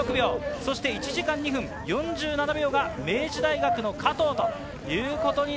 そして１時間２分４７秒が明治大学の加藤。